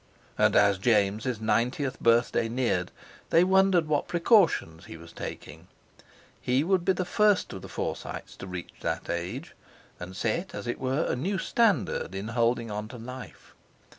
And as James' ninetieth birthday neared they wondered what precautions he was taking. He would be the first of the Forsytes to reach that age, and set, as it were, a new standard in holding on to life.